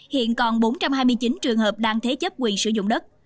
hiện còn bốn trăm hai mươi chín trường hợp đang thế chấp quyền sử dụng đất